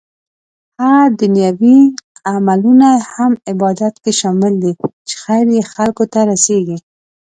هغه دنيوي عملونه هم عبادت کې شامل دي چې خير يې خلکو ته رسيږي